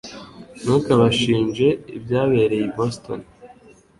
Ntukabashinje ibyabereye i Boston